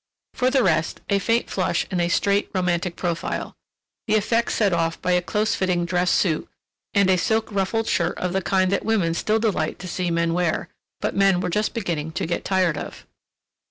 For the rest, a faint flush and a straight, romantic profile; the effect set off by a close fitting dress suit and a silk ruffled shirt of the kind that women still delight to see men wear, but men were just beginning to get tired of.